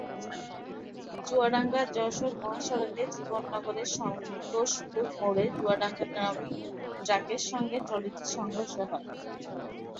চুয়াডাঙ্গা-যশোর মহাসড়কে জীবননগরের সন্তোষপুর মোড়ে চুয়াডাঙ্গাগামী ট্রাকের সঙ্গে ট্রলিটির সংঘর্ষ হয়।